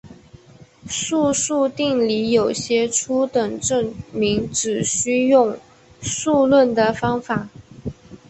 素数定理有些初等证明只需用数论的方法。